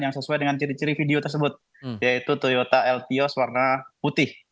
yang sesuai dengan ciri ciri video tersebut yaitu toyota elvious warna putih